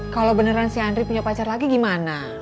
kalau beneran si andri punya pacar lagi gimana